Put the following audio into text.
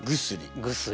「薬」。